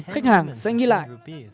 khách hàng sẽ nghi lại